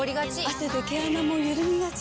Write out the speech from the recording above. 汗で毛穴もゆるみがち。